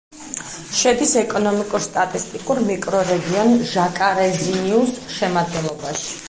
შედის ეკონომიკურ-სტატისტიკურ მიკრორეგიონ ჟაკარეზინიუს შემადგენლობაში.